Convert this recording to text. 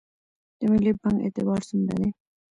د ملي بانک اعتبار څومره دی؟